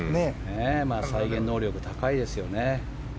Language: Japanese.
再現能力、高いですよね。